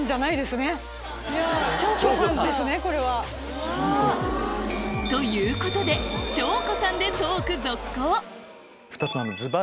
もうこれで。ということで翔子さんでトーク続行！